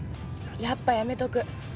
やっぱやめとく。